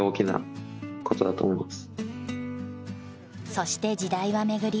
そして時代は巡り